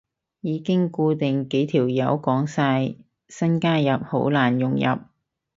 已經固定幾條友講晒，新加入好難融入